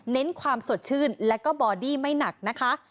ความสดชื่นและก็บอดี้ไม่หนักนะคะ